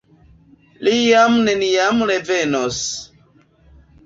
Li jam neniam revenos.